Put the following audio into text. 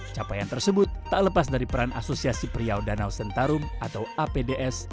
capaian tersebut tak lepas dari peran asosiasi priau danau sentarum atau apds